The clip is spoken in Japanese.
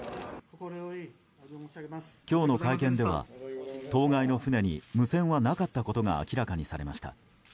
今日の会見では当該の船に無線はなかったことが明らかにされました。